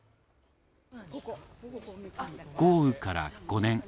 豪雨から５年。